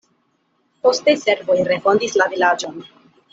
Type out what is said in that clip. Poste serboj refondis la vilaĝon.